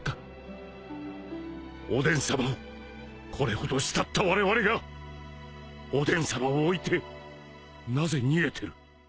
おでんさまをこれほど慕ったわれわれがおでんさまを置いてなぜ逃げてる